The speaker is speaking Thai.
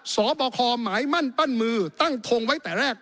สอบคอหมายมั่นปั้นมือตั้งทงไว้แต่แรก